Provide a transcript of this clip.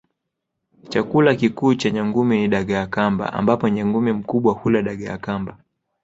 Chakula kikuu cha nyangumi ni dagaa kamba ambapo nyangumi mkubwa hula dagaa kamba